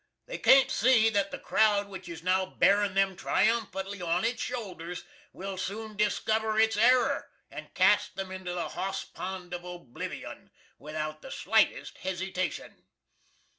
They can't see that the crowd which is now bearin them triumfantly on its shoulders will soon diskiver its error and cast them into the hoss pond of Oblivyun, without the slitest hesitashun.